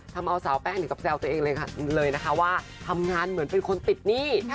ทำเอาสาวแป้งถึงกับแซวตัวเองเลยนะคะว่าทำงานเหมือนเป็นคนติดหนี้